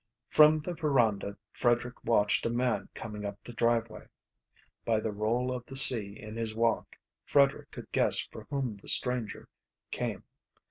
From the veranda, Frederick watched a man coming up the driveway. By the roll of the sea in his walk, Frederick could guess for whom the stranger came.